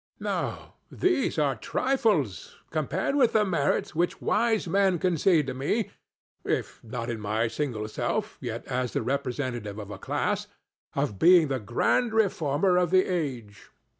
No; these are trifles, compared with the merits which wise men concede to me—if not in my single self, yet as the representative of a class—of being the grand reformer of the age.